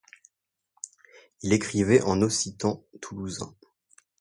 Il écrivait en occitan toulousain.